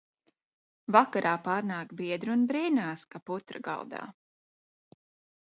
Vakarā pārnāk biedri un brīnās, ka putra galdā.